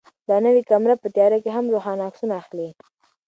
دا نوې کامره په تیاره کې هم روښانه عکسونه اخلي.